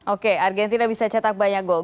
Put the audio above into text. oke argentina bisa cetak banyak gol